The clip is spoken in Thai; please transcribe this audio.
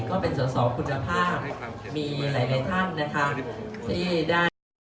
ก็เป็นสอสอคุณภาพมีหลายหลายท่านนะคะที่ได้